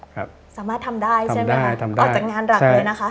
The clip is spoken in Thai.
สามารถทำได้ใช่ไหมออกจากงานหลังเลยนะคะ